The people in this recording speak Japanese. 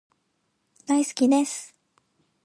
大好きです